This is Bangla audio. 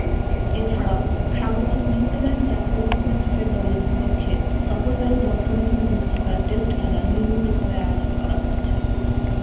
এছাড়াও, স্বাগতিক নিউজিল্যান্ড জাতীয় মহিলা ক্রিকেট দলের বিপক্ষে সফরকারী দলসমূহের মধ্যকার টেস্ট খেলা নিয়মিতভাবে আয়োজন করা হচ্ছে।